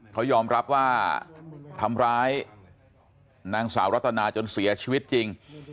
เขายอมรับว่าทำร้ายนางสาวรัตนาจนเสียชีวิตจริง